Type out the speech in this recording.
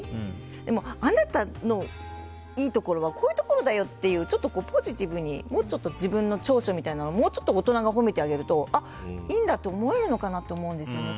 でもあなたのいいところはこういうところだよっていうちょっとポジティブに自分の長所みたいなものをもうちょっと大人が褒めてあげるといいんだって思えるのかなと思うんですよね。